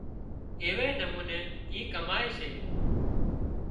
ايوي نموني اي ڪمائي سي